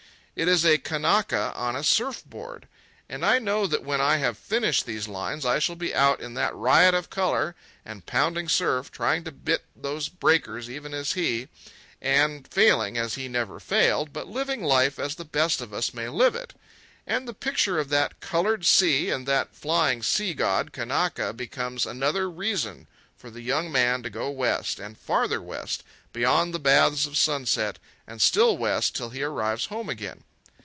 It is a Kanaka on a surf board. And I know that when I have finished these lines I shall be out in that riot of colour and pounding surf, trying to bit those breakers even as he, and failing as he never failed, but living life as the best of us may live it. And the picture of that coloured sea and that flying sea god Kanaka becomes another reason for the young man to go west, and farther west, beyond the Baths of Sunset, and still west till he arrives home again.